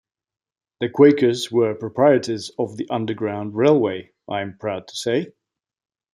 The Quakers were proprietors of the Underground Railway, I'm proud to say.